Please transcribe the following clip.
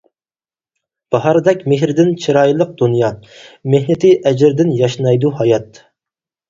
باھاردەك مېھرىدىن چىرايلىق دۇنيا، مېھنىتى، ئەجرىدىن ياشنايدۇ ھايات.